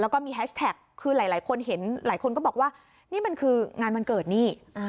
แล้วก็มีแฮชแท็กคือหลายคนเห็นหลายคนก็บอกว่านี่มันคืองานวันเกิดนี่